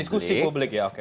diskusi publik ya oke